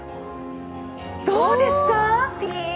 どうですか？